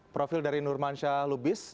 profil dari nurman syah lubis